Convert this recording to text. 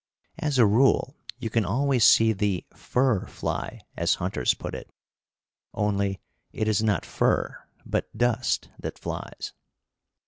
As a rule, you can always see the "fur fly," as hunters put it; only it is not fur, but dust, that flies.